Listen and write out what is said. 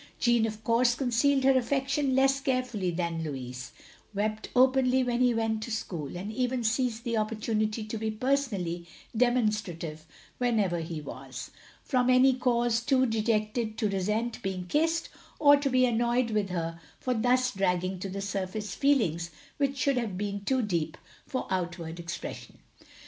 Jeanne, of course, concealed her affection less carefully than Louis, — ^wept openly when he went to school, and even seized the opportunity to be personally demonstrative whenever he was, from any cause, too dejected to resent being kissed, or to be annoyed with her for thus dragging to the surface feelings which should have been too deep for outward expression.